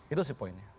itu sih poinnya